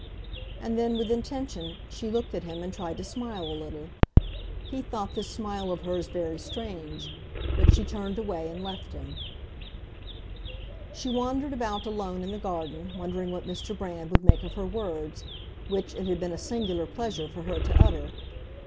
And then, with intention, she looked at him and tried to smile a little. He thought this smile of hers very strange; but she turned away and left him. She wandered about alone in the garden wondering what Mr. Brand would make of her words, which it had been a singular pleasure for her to utter.